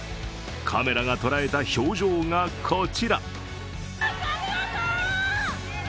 カメラが捉えた表情がこちら。